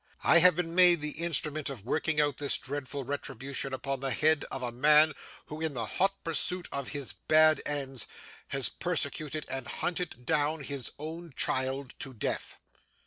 I have been made the instrument of working out this dreadful retribution upon the head of a man who, in the hot pursuit of his bad ends, has persecuted and hunted down his own child to death.